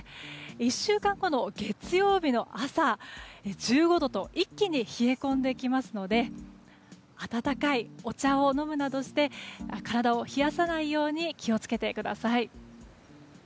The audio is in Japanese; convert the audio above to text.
１週間後の月曜日の朝、１５度と一気に冷え込んできますので温かいお茶を飲むなどして体を冷やさないように気を付けてください。